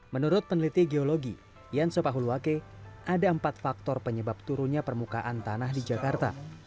menurut peneliti geologi yansopahuluwake ada empat faktor penyebab turunnya permukaan tanah di jakarta